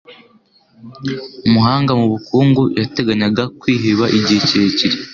Umuhanga mu bukungu yateganyaga kwiheba igihe kirekire.